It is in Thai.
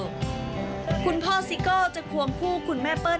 สวัสดีครับ